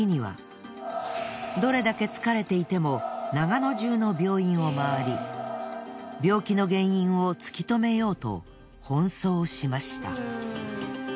どれだけ疲れていても長野中の病院を回り病気の原因をつきとめようと奔走しました。